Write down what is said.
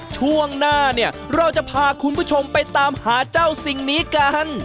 ช่วงหน้าเนี่ยเราจะพาคุณผู้ชมไปตามหาเจ้าสิ่งนี้กัน